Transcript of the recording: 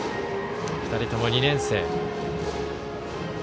２人とも２年生。